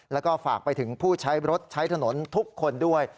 แล้วก็ฝากไปถึงผู้ใช้รถใช้ถนนทุกคนด้วย